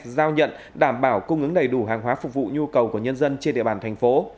giao nhận đảm bảo cung ứng đầy đủ hàng hóa phục vụ nhu cầu của nhân dân trên địa bàn thành phố